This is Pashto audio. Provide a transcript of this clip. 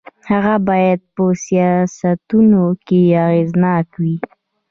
هغه باید په سیاستونو کې اغېزناک وي.